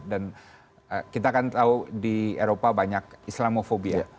dan kita kan tahu di eropa banyak islamofobia